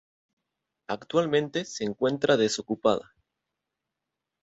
Actualmente se encuentra desocupada.